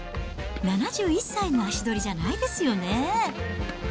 ７１歳の足取りじゃないですよね。